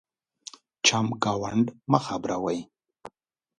چمګاونډ مه خبرَوئ.